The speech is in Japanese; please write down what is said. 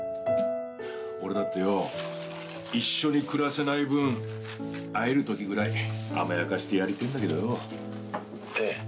俺だってよ一緒に暮らせない分会える時ぐらい甘やかしてやりてえんだけどよ。